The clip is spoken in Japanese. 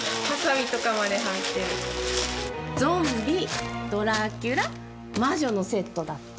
ゾンビドラキュラ魔女のセットだって。